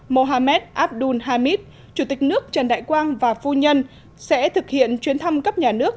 mohamed abdul hamid chủ tịch nước trần đại quang và phu nhân sẽ thực hiện chuyến thăm cấp nhà nước